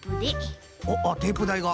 あっテープだいが。